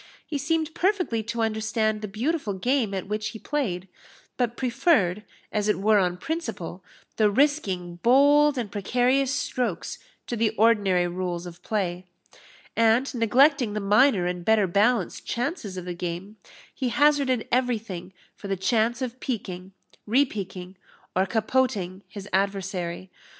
He seemed perfectly to understand the beautiful game at which he played, but preferred, as it were on principle, the risking bold and precarious strokes to the ordinary rules of play; and neglecting the minor and better balanced chances of the game, he hazarded everything for the chance of piqueing, repiqueing, or capoting his adversary.